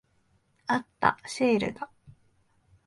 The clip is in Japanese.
あった。シールだ。